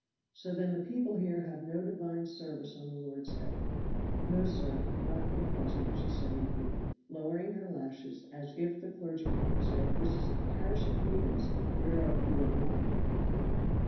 "So then the people here have no divine service on the Lord's day." "No, sir, not for the present," said Susan meekly, lowering her lashes, as if the clergyman had said, "This is a parish of heathens, whereof you are one."